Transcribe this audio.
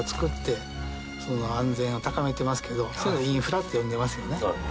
そういうのインフラって呼んでますよね。